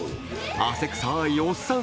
汗臭いおっさん